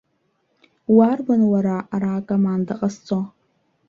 Уарбан уара, ара акоманда ҟазҵо?